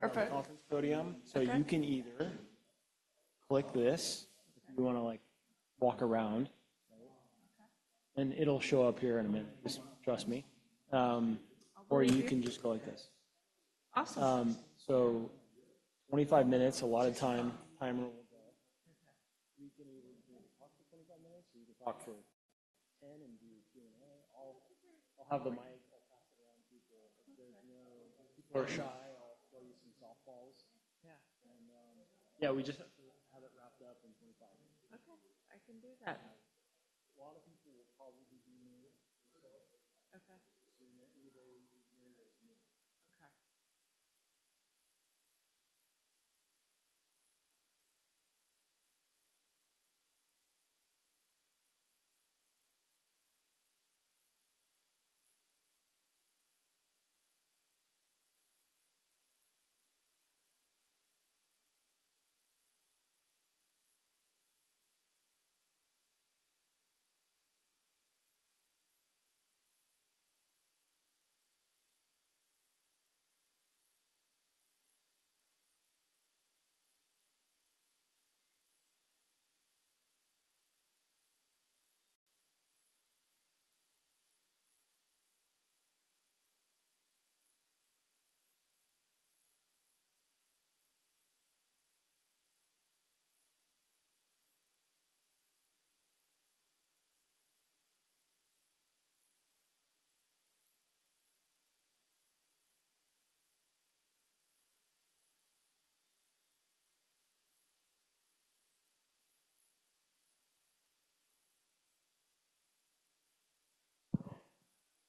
conference podium. Okay. So you can either click this, if you wanna, like, walk around, and it'll show up here in a minute. Just trust me. I'll walk with you. Or you can just go like this. Awesome. So 25 minutes, allotted time, timer will go. You can either talk for 25 minutes, or you can talk for 10 and do Q&A. I'll have the mic. I'll pass it around to people. If people are shy, I'll throw you some softballs. Yeah. Yeah, we just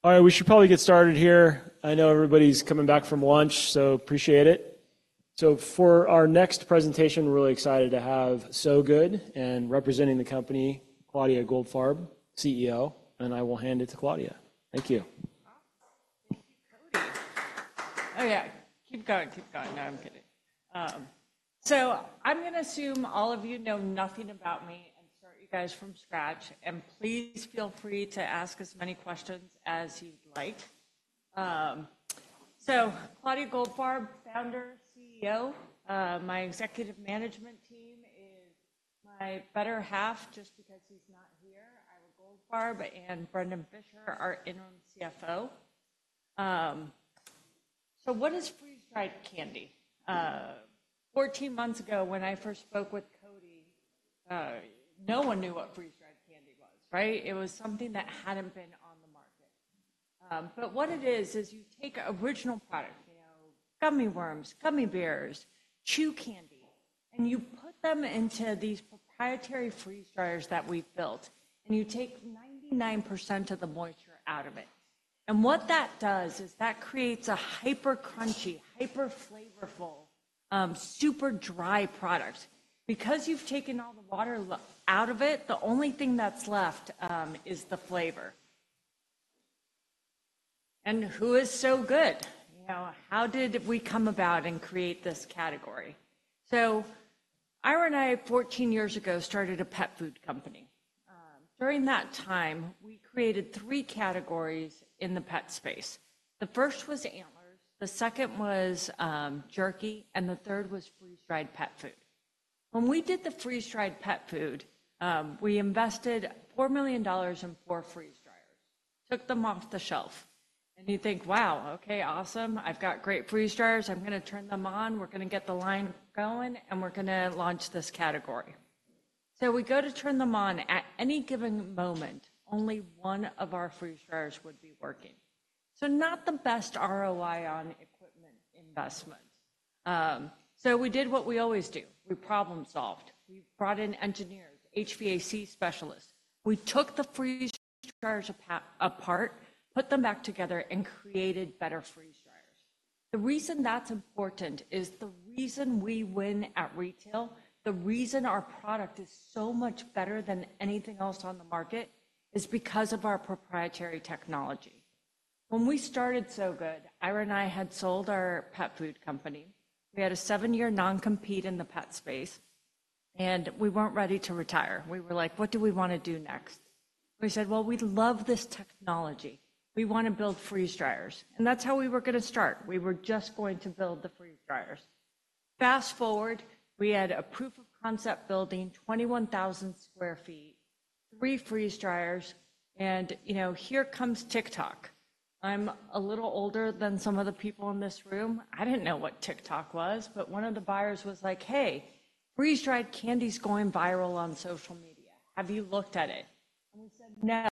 have to have it wrapped up in 25 minutes. Okay, I can do that. A lot of people will probably be muted, so- Okay Anybody who's here is here. Okay. All right, we should probably get started here. I know everybody's coming back from lunch, so appreciate it. So for our next presentation, we're really excited to have Sow Good, and representing the company, Claudia Goldfarb, CEO, and I will hand it to Claudia. Thank you. Awesome. Thank you, Cody. Oh, yeah. Keep going, keep going. No, I'm kidding. So I'm gonna assume all of you know nothing about me and start you guys from scratch, and please feel free to ask as many questions as you'd like. So Claudia Goldfarb, founder, CEO. My executive management team is my better half, just because he's not here, Ira Goldfarb and Brendon Fischer, our interim CFO. So what is freeze-dried candy? Fourteen months ago, when I first spoke with Cody, no one knew what freeze-dried candy was, right? It was something that hadn't been on the market. But what it is, is you take an original product, you know, gummy worms, gummy bears, chew candy, and you put them into these proprietary freeze dryers that we've built, and you take 99% of the moisture out of it. What that does is that creates a hyper crunchy, hyper flavorful, super dry product. Because you've taken all the water out of it, the only thing that's left is the flavor. And who is Sow Good? You know, how did we come about and create this category? Ira and I, 14 years ago, started a pet food company. During that time, we created three categories in the pet space. The first was antlers, the second was jerky, and the third was freeze-dried pet food. When we did the freeze-dried pet food, we invested $4 million in four freeze dryers, took them off the shelf, and you think, "Wow, okay, awesome. I've got great freeze dryers. I'm gonna turn them on, we're gonna get the line going, and we're gonna launch this category." So we go to turn them on. At any given moment, only one of our freeze dryers would be working. So not the best ROI on equipment investment. So we did what we always do: we problem-solved. We brought in engineers, HVAC specialists. We took the freeze dryers apart, put them back together, and created better freeze dryers. The reason that's important is the reason we win at retail, the reason our product is so much better than anything else on the market, is because of our proprietary technology. When we started Sow Good, Ira and I had sold our pet food company. We had a seven-year non-compete in the pet space, and we weren't ready to retire. We were like: What do we wanna do next? We said: Well, we love this technology. We wanna build freeze dryers. And that's how we were gonna start. We were just going to build the freeze dryers. Fast-forward, we had a proof of concept building, 21,000 sq ft, three freeze dryers, and, you know, here comes TikTok. I'm a little older than some of the people in this room. I didn't know what TikTok was, but one of the buyers was like: "Hey, freeze-dried candy's going viral on social media. Have you looked at it?" And we said,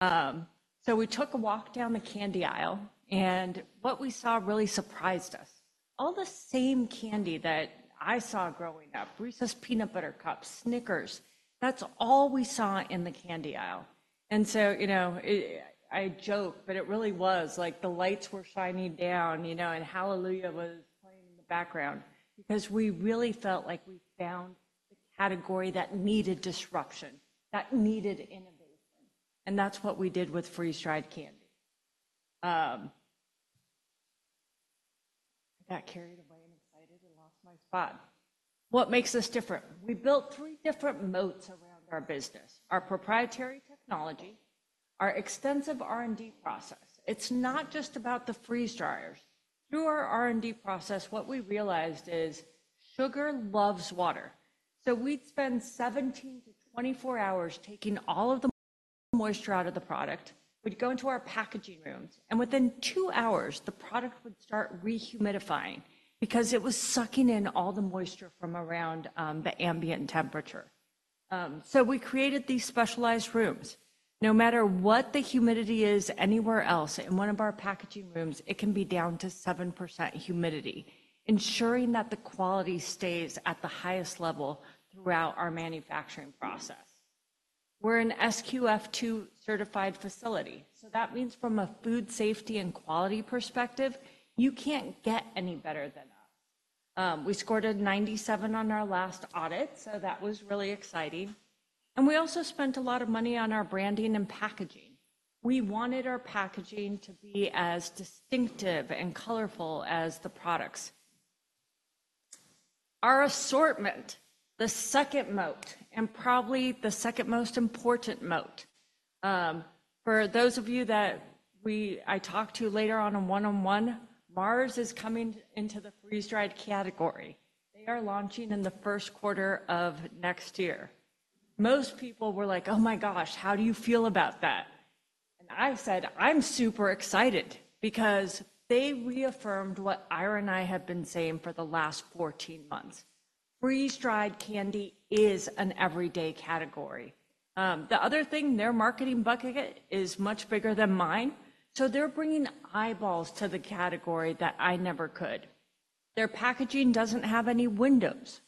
"No," so we took a walk down the candy aisle, and what we saw really surprised us. All the same candy that I saw growing up, Reese's Peanut Butter Cups, Snickers, that's all we saw in the candy aisle. And so, you know, it. I joke, but it really was like the lights were shining down, you know, and Hallelujah was playing in the background because we really felt like we found the category that needed disruption, that needed innovation, and that's what we did with freeze-dried candy. I got carried away. My spot. What makes us different? We built three different moats around our business: our proprietary technology, our extensive R&D process. It's not just about the freeze dryers. Through our R&D process, what we realized is sugar loves water. So we'd spend seventeen to twenty-four hours taking all of the moisture out of the product. We'd go into our packaging rooms, and within two hours, the product would start re-humidifying because it was sucking in all the moisture from around the ambient temperature. So we created these specialized rooms. No matter what the humidity is anywhere else, in one of our packaging rooms, it can be down to 7% humidity, ensuring that the quality stays at the highest level throughout our manufacturing process. We're an SQF 2 certified facility, so that means from a food safety and quality perspective, you can't get any better than us. We scored a 97 on our last audit, so that was really exciting, and we also spent a lot of money on our branding and packaging. We wanted our packaging to be as distinctive and colorful as the products. Our assortment, the second moat, and probably the second most important moat. For those of you that I talk to later on in one-on-one, Mars is coming into the freeze-dried category. They are launching in the first quarter of next year. Most people were like: "Oh, my gosh, how do you feel about that?" And I said, "I'm super excited," because they reaffirmed what Ira and I have been saying for the last fourteen months. Freeze-dried candy is an everyday category. The other thing, their marketing bucket is much bigger than mine, so they're bringing eyeballs to the category that I never could. Their packaging doesn't have any windows.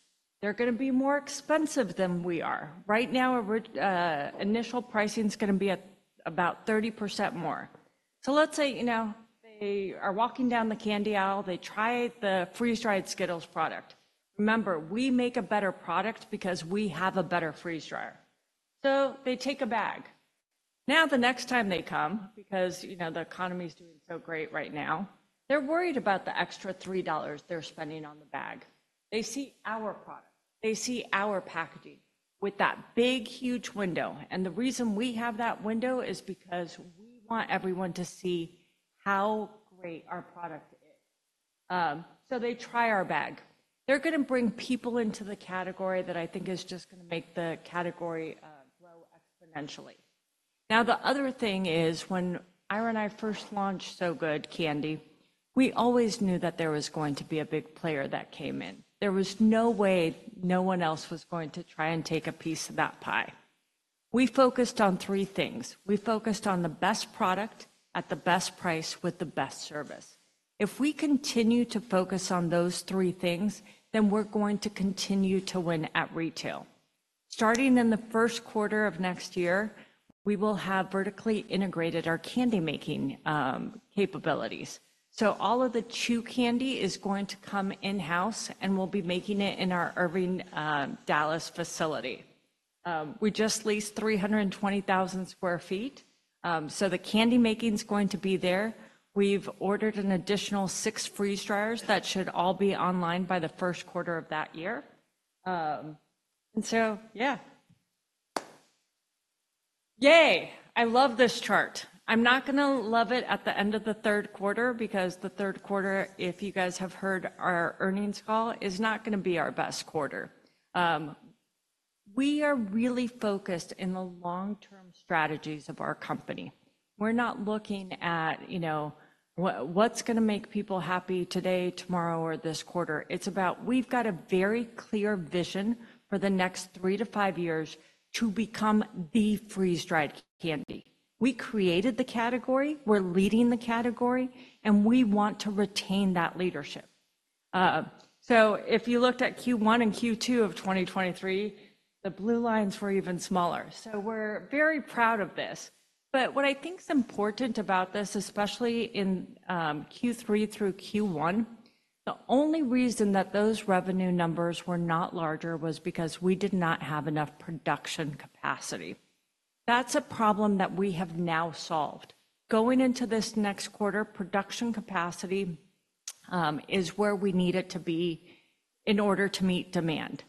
They're gonna be more expensive than we are. Right now, our initial pricing is gonna be at about 30% more. So let's say, you know, they are walking down the candy aisle, they try the freeze-dried Skittles product. Remember, we make a better product because we have a better freeze dryer. So they take a bag. Now, the next time they come, because, you know, the economy is doing so great right now, they're worried about the extra $3 they're spending on the bag. They see our product. They see our packaging with that big, huge window, and the reason we have that window is because we want everyone to see how great our product is. So they try our bag. They're gonna bring people into the category that I think is just gonna make the category grow exponentially. Now, the other thing is, when Ira and I first launched Sow Good candy, we always knew that there was going to be a big player that came in. There was no way no one else was going to try and take a piece of that pie. We focused on three things. We focused on the best product, at the best price, with the best service. If we continue to focus on those three things, then we're going to continue to win at retail. Starting in the first quarter of next year, we will have vertically integrated our candy-making capabilities. So all of the chew candy is going to come in-house, and we'll be making it in our Irving, Dallas facility. We just leased 320,000 sq ft, so the candy making is going to be there. We've ordered an additional six freeze dryers that should all be online by the first quarter of that year. And so, yeah. Yay! I love this chart. I'm not gonna love it at the end of the third quarter because the third quarter, if you guys have heard our earnings call, is not gonna be our best quarter. We are really focused in the long-term strategies of our company. We're not looking at, you know, what, what's gonna make people happy today, tomorrow, or this quarter. It's about we've got a very clear vision for the next three to five years to become the freeze-dried candy. We created the category, we're leading the category, and we want to retain that leadership, so if you looked at Q1 and Q2 of 2023, the blue lines were even smaller, so we're very proud of this. But what I think is important about this, especially in Q3 through Q1, the only reason that those revenue numbers were not larger was because we did not have enough production capacity. That's a problem that we have now solved. Going into this next quarter, production capacity is where we need it to be in order to meet demand.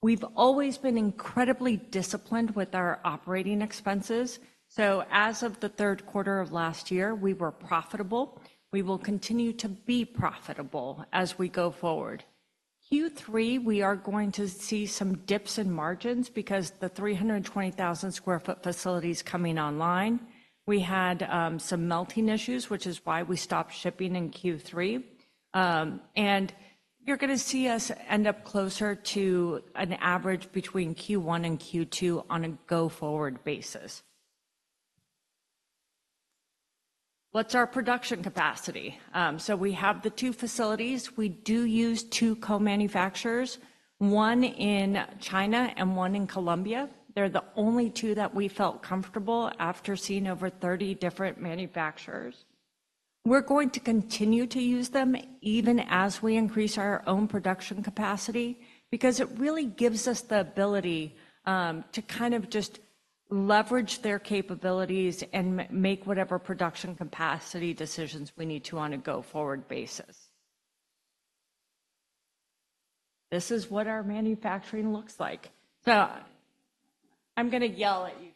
We've always been incredibly disciplined with our operating expenses, so as of the third quarter of last year, we were profitable. We will continue to be profitable as we go forward. Q3, we are going to see some dips in margins because the 320,000 sq ft facility's coming online. We had some melting issues, which is why we stopped shipping in Q3. And you're gonna see us end up closer to an average between Q1 and Q2 on a go-forward basis. What's our production capacity? So we have the two facilities. We do use two co-manufacturers, one in China and one in Colombia. They're the only two that we felt comfortable after seeing over 30 different manufacturers. We're going to continue to use them even as we increase our own production capacity, because it really gives us the ability to kind of just leverage their capabilities and make whatever production capacity decisions we need to on a go-forward basis. This is what our manufacturing looks like. So I'm gonna yell at you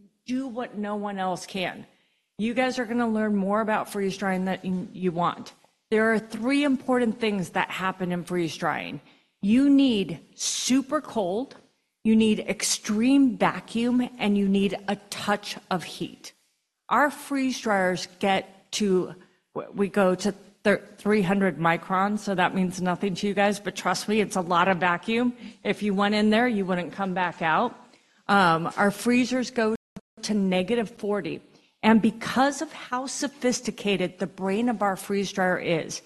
guys. I'm not really yelling at you, but what's really important, see this right here? This is one quarter of the brain of our freeze dryer. If I go over here, this right here is the brain for all three of our private manufacturing or co-manufactured freeze dryers. This is what gives us our competitive advantage as far as product performance. The fact that our freeze dryers can do what no one else can. You guys are gonna learn more about freeze drying than you want. There are three important things that happen in freeze drying. You need super cold, you need extreme vacuum, and you need a touch of heat. Our freeze dryers get to 300 microns, so that means nothing to you guys, but trust me, it's a lot of vacuum. If you went in there, you wouldn't come back out. Our freezers go to negative 40, and because of how sophisticated the brain of our freeze dryer is,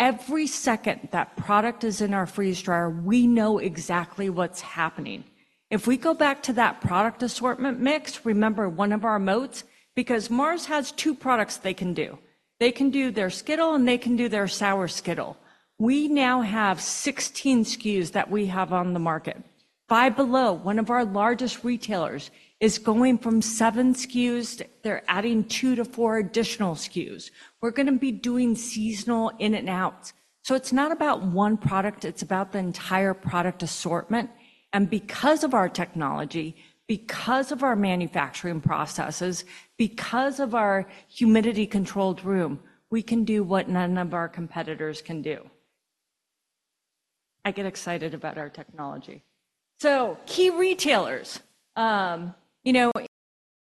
every second that product is in our freeze dryer, we know exactly what's happening. If we go back to that product assortment mix, remember one of our moats, because Mars has two products they can do. They can do their Skittles, and they can do their Sour Skittles. We now have 16 SKUs that we have on the market. Five Below, one of our largest retailers, is going from 7 SKUs. They're adding two to four additional SKUs. We're gonna be doing seasonal in and outs, so it's not about one product, it's about the entire product assortment, and because of our technology, because of our manufacturing processes, because of our humidity-controlled room, we can do what none of our competitors can do. I get excited about our technology. So key retailers. You know,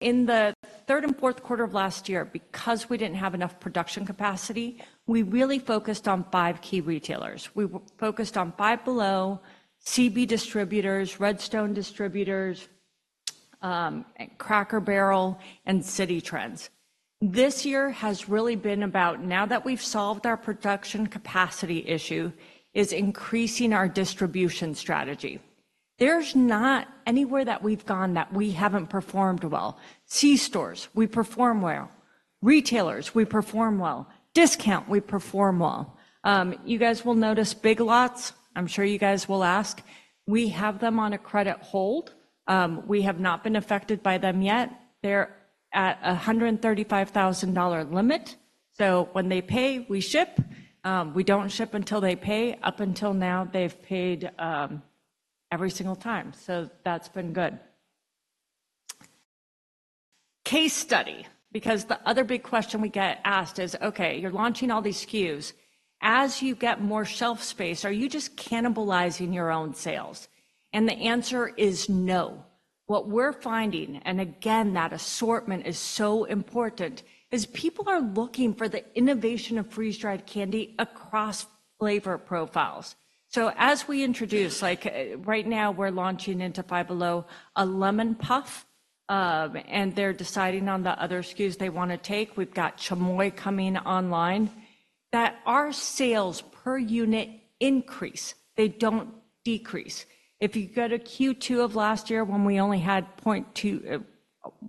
in the third and fourth quarter of last year, because we didn't have enough production capacity, we really focused on 5 key retailers. We focused on Five Below, CB Distributors, Redstone Distributors, Cracker Barrel, and Citi Trends. This year has really been about now that we've solved our production capacity issue, is increasing our distribution strategy. There's not anywhere that we've gone that we haven't performed well. C stores, we perform well. Retailers, we perform well. Discount, we perform well. You guys will notice Big Lots. I'm sure you guys will ask. We have them on a credit hold. We have not been affected by them yet. They're at a $135,000 limit, so when they pay, we ship. We don't ship until they pay. Up until now, they've paid every single time, so that's been good. Case study, because the other big question we get asked is, "Okay, you're launching all these SKUs. As you get more shelf space, are you just cannibalizing your own sales?" And the answer is no. What we're finding, and again, that assortment is so important, is people are looking for the innovation of freeze-dried candy across flavor profiles. So as we introduce, like, right now, we're launching into Five Below, a Lemon Puff, and they're deciding on the other SKUs they wanna take. We've got Chamoy coming online, that our sales per unit increase. They don't decrease. If you go to Q2 of last year, when we only had two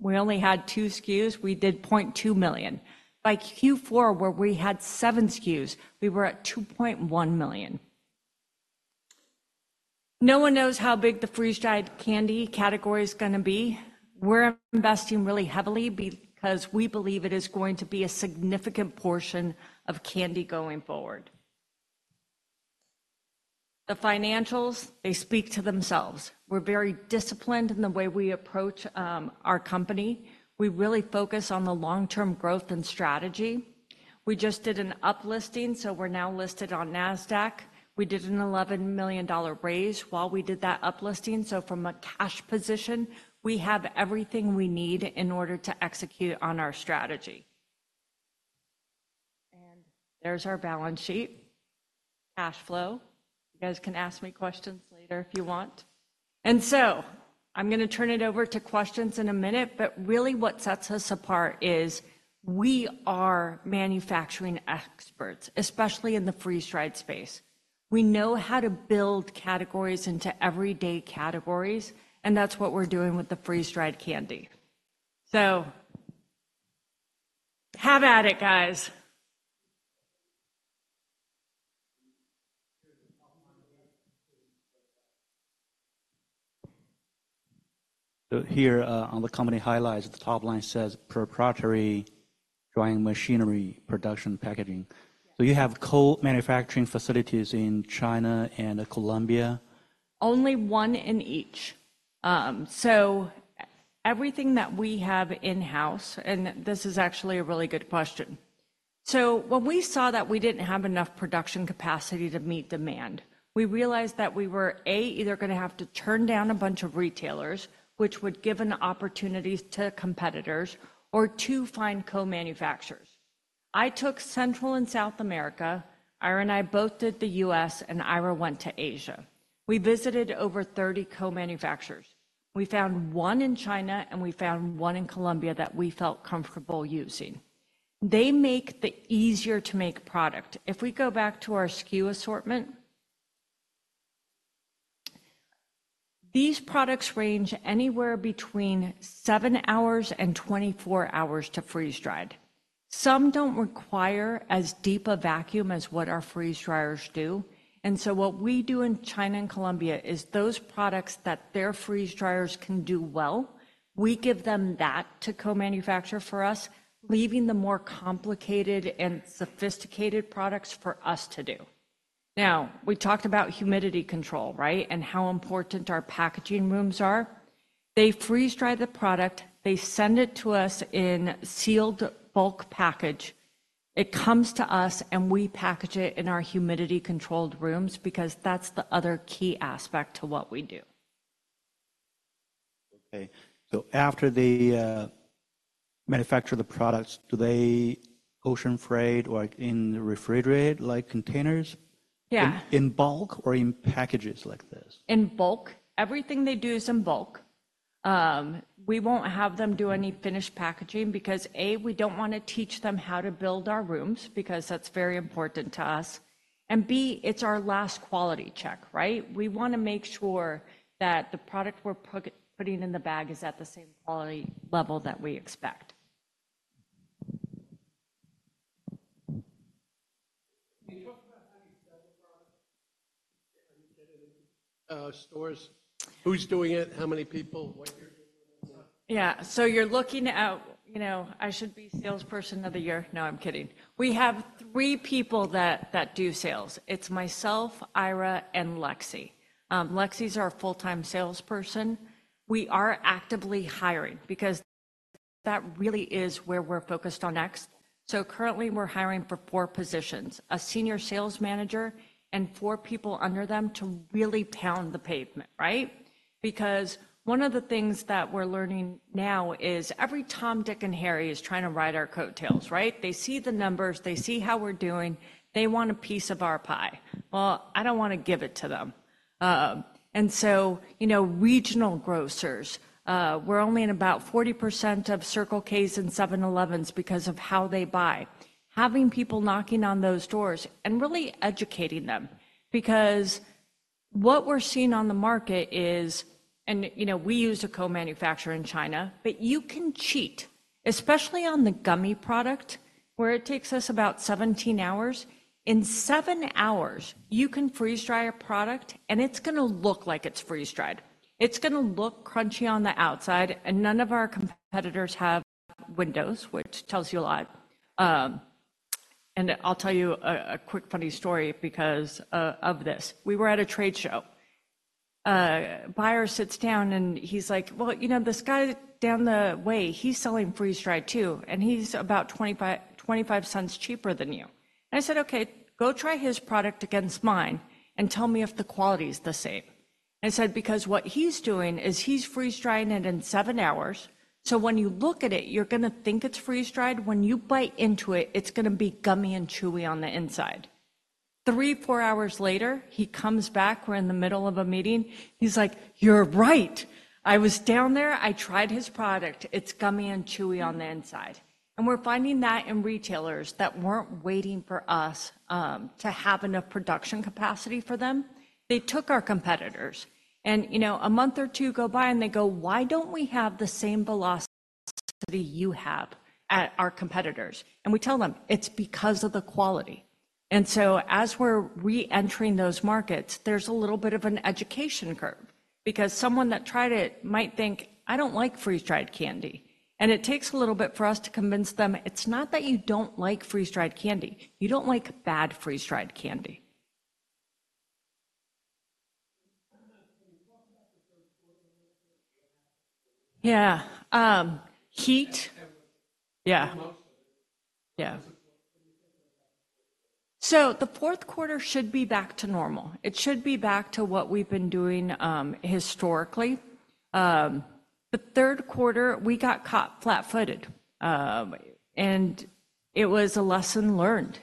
SKUs, we did $200,000. By Q4, where we had seven SKUs, we were at $2.1 million. No one knows how big the freeze-dried candy category is gonna be. We're investing really heavily because we believe it is going to be a significant portion of candy going forward. The financials, they speak to themselves. We're very disciplined in the way we approach our company. We really focus on the long-term growth and strategy. We just did an uplisting, so we're now listed on NASDAQ. We did an $11 million raise while we did that uplisting, so from a cash position, we have everything we need in order to execute on our strategy, and there's our balance sheet, cash flow. You guys can ask me questions later if you want, and so I'm gonna turn it over to questions in a minute, but really what sets us apart is we are manufacturing experts, especially in the freeze-dried space. We know how to build categories into everyday categories, and that's what we're doing with the freeze-dried candy. So have at it, guys. So here, on the company highlights, the top line says, "Proprietary drying machinery, production, packaging." So you have co-manufacturing facilities in China and Colombia? Only one in each. Everything that we have in-house. This is actually a really good question. When we saw that we didn't have enough production capacity to meet demand, we realized that we were, A, either gonna have to turn down a bunch of retailers, which would give an opportunity to competitors, or two, find co-manufacturers. I took Central and South America. Ira and I both did the U.S., and Ira went to Asia. We visited over 30 co-manufacturers. We found one in China, and we found one in Colombia that we felt comfortable using. They make the easier-to-make product. If we go back to our SKU assortment, these products range anywhere between seven hours and 24 hours to freeze-dried. Some don't require as deep a vacuum as what our freeze dryers do, and so what we do in China and Colombia is those products that their freeze dryers can do well, we give them that to co-manufacture for us, leaving the more complicated and sophisticated products for us to do. Now, we talked about humidity control, right? And how important our packaging rooms are. They freeze-dry the product, they send it to us in sealed bulk package. It comes to us, and we package it in our humidity-controlled rooms because that's the other key aspect to what we do. Okay. So after they manufacture the products, do they ocean freight or in refrigerated, like, containers? Yeah. In bulk or in packages like this? In bulk. Everything they do is in bulk. We won't have them do any finished packaging because, A, we don't wanna teach them how to build our rooms, because that's very important to us, and, B, it's our last quality check, right? We wanna make sure that the product we're putting in the bag is at the same quality level that we expect. Can you talk about how you sell the product, stores? Who's doing it, how many people, what you're doing and what- Yeah. So you're looking at, you know, I should be salesperson of the year. No, I'm kidding. We have three people that do sales. It's myself, Ira, and Lexi. Lexi's our full-time salesperson. We are actively hiring because that really is where we're focused on next. So currently, we're hiring for four positions: a senior sales manager and four people under them to really pound the pavement, right? Because one of the things that we're learning now is every Tom, Dick, and Harry is trying to ride our coattails, right? They see the numbers. They see how we're doing. They want a piece of our pie. Well, I don't wanna give it to them. And so, you know, regional grocers, we're only in about 40% of Circle K's and 7-Eleven because of how they buy. Having people knocking on those doors and really educating them because what we're seeing on the market is... and you know, we use a co-manufacturer in China, but you can cheat, especially on the gummy product, where it takes us about 17 hours. In seven hours, you can freeze-dry a product, and it's gonna look like it's freeze-dried. It's gonna look crunchy on the outside, and none of our competitors have windows, which tells you a lot, and I'll tell you a quick, funny story because of this. We were at a trade show. A buyer sits down, and he's like: "Well, you know, this guy down the way, he's selling freeze-dried, too, and he's about $0.25 cheaper than you." And I said, "Okay, go try his product against mine and tell me if the quality is the same." I said, "Because what he's doing is he's freeze-drying it in 7 hours, so when you look at it, you're gonna think it's freeze-dried. When you bite into it, it's gonna be gummy and chewy on the inside." 3, 4 hours later, he comes back. We're in the middle of a meeting. He's like: "You're right! I was down there. I tried his product. It's gummy and chewy on the inside." And we're finding that in retailers that weren't waiting for us to have enough production capacity for them. They took our competitors, and, you know, a month or two go by, and they go, "Why don't we have the same velocity you have at our competitors?" And we tell them, "It's because of the quality." And so, as we're reentering those markets, there's a little bit of an education curve because someone that tried it might think, "I don't like freeze-dried candy." And it takes a little bit for us to convince them, "It's not that you don't like freeze-dried candy. You don't like bad freeze-dried candy. Yeah. Yeah. Yeah. So the fourth quarter should be back to normal. It should be back to what we've been doing, historically. The third quarter, we got caught flat-footed, and it was a lesson learned.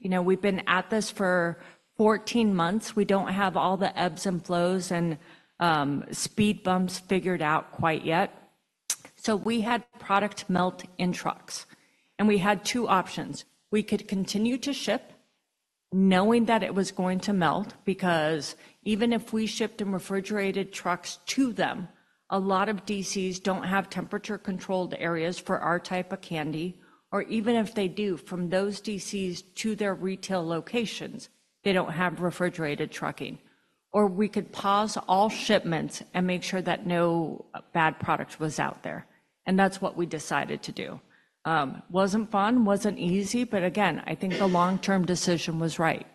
You know, we've been at this for fourteen months. We don't have all the ebbs and flows and, speed bumps figured out quite yet. So we had product melt in trucks, and we had two options. We could continue to ship, knowing that it was going to melt, because even if we shipped in refrigerated trucks to them, a lot of DCs don't have temperature-controlled areas for our type of candy, or even if they do, from those DCs to their retail locations, they don't have refrigerated trucking. Or we could pause all shipments and make sure that no bad product was out there, and that's what we decided to do. Wasn't fun, wasn't easy, but again, I think the long-term decision was right.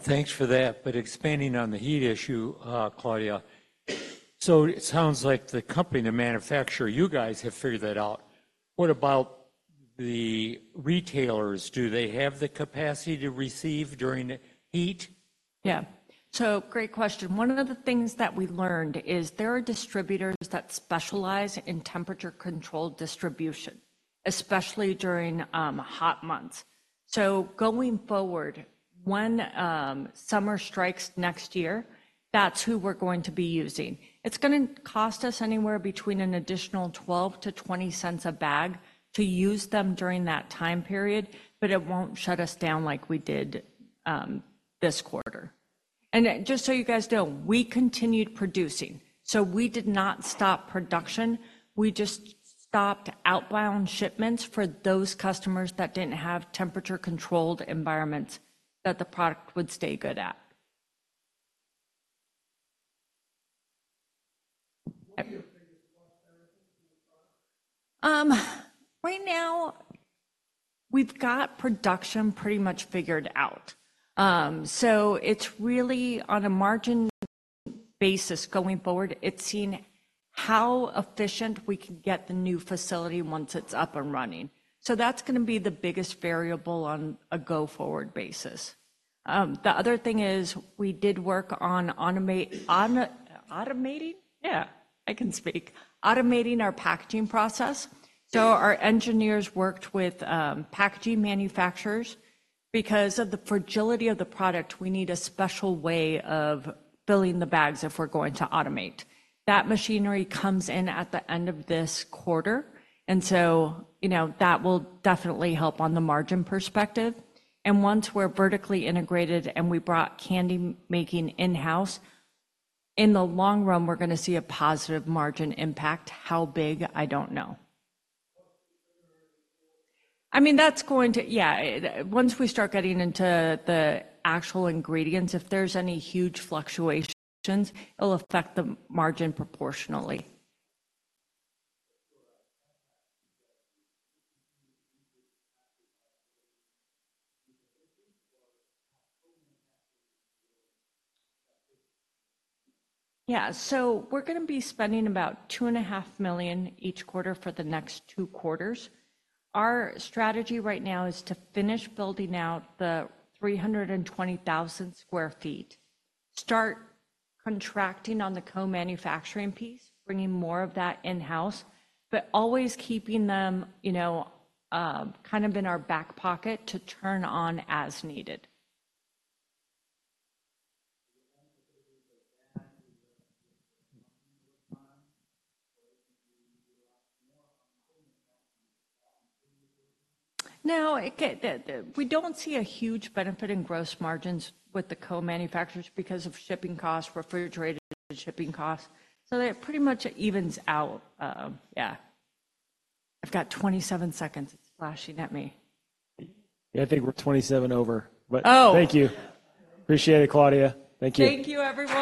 Thanks for that, but expanding on the heat issue, Claudia. So it sounds like the company, the manufacturer, you guys have figured that out. What about the retailers, do they have the capacity to receive during the heat? Yeah, so great question. One of the things that we learned is there are distributors that specialize in temperature-controlled distribution, especially during hot months, so going forward, when summer strikes next year, that's who we're going to be using. It's gonna cost us anywhere between an additional $0.12-$0.20 a bag to use them during that time period, but it won't shut us down like we did this quarter. And just so you guys know, we continued producing, so we did not stop production. We just stopped outbound shipments for those customers that didn't have temperature-controlled environments that the product would stay good at. Right now, we've got production pretty much figured out. So it's really on a margin basis going forward, it's seeing how efficient we can get the new facility once it's up and running. So that's gonna be the biggest variable on a go-forward basis. The other thing is we did work on automating our packaging process. So our engineers worked with packaging manufacturers. Because of the fragility of the product, we need a special way of filling the bags if we're going to automate. That machinery comes in at the end of this quarter, and so, you know, that will definitely help on the margin perspective. And once we're vertically integrated, and we brought candy making in-house, in the long run, we're gonna see a positive margin impact. How big? I don't know. I mean, that's going to... Yeah, once we start getting into the actual ingredients, if there's any huge fluctuations, it'll affect the margin proportionally. Yeah. We're gonna be spending about $2.5 million each quarter for the next two quarters. Our strategy right now is to finish building out the 320,000 sq ft, start contracting on the co-manufacturing piece, bringing more of that in-house, but always keeping them, you know, kind of in our back pocket to turn on as needed. No, the, we don't see a huge benefit in gross margins with the co-manufacturers because of shipping costs, refrigerated shipping costs, so it pretty much evens out. Yeah. I've got 27 seconds. It's flashing at me. Yeah, I think we're twenty-seven over. Oh! But thank you. Appreciate it, Claudia. Thank you. Thank you, everyone.